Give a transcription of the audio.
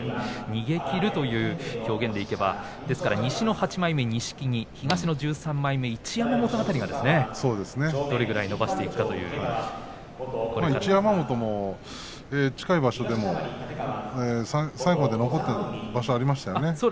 逃げきるという表現でいけば西の８枚目錦木、東の１３枚目一山本辺りが一山本も近い場所でも最後まで残った場所がありましたよね。